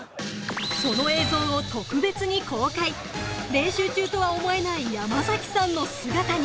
練習中とは思えない山さんの姿に